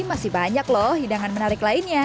masih banyak loh hidangan menarik lainnya